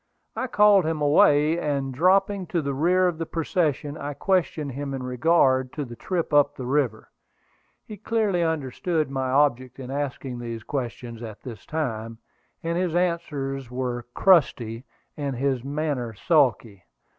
I called him away, and dropping to the rear of the procession, I questioned him in regard to the trip up the river. He clearly understood my object in asking these questions at this time, and his answers were crusty, and his manner sulky.